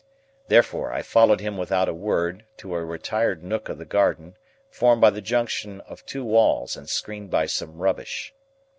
Therefore, I followed him without a word, to a retired nook of the garden, formed by the junction of two walls and screened by some rubbish.